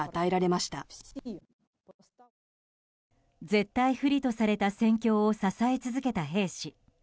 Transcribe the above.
絶対不利とされた戦況を支え続けた兵士。